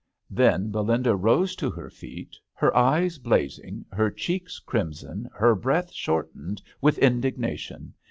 Then Belinda rose to her feet, her eyes blazing, her cheeks crimson, her breath shortened, with indignation.